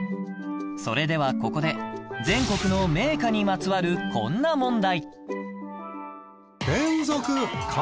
それではここで全国の銘菓にまつわるこんな問題